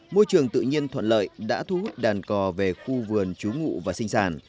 môi trường tự nhiên thuận lợi đã thu hút đàn cò về khu vườn trú ngụ và sinh sản